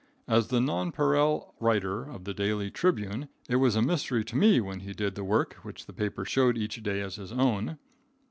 As the "Nonpareil Writer" of the Denver Tribune, it was a mystery to me when he did the work which the paper showed each day as his own.